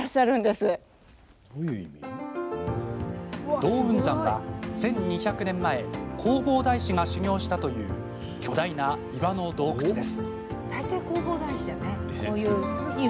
洞雲山は１２００年前弘法大師が修行したという巨大な岩の洞窟です。